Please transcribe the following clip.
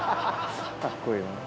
かっこいいな。